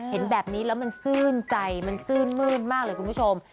เห็นแบบนี้แล้วมันซื่นใจมันซื่นมืดมากเลยคุณผู้ชม